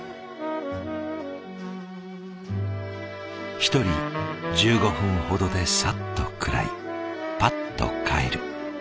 一人１５分ほどでサッと食らいパッと帰る。